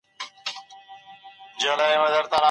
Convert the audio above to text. ویروسونه د انسانانو ترمنځ په ډېرې اسانۍ سره خپریږي.